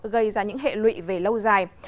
gây ra những hệ lụy về lâu dài